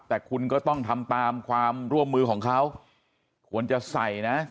แต่คุณก็ต้องทำตามความร่วมมือของเขาควรจะใส่นะ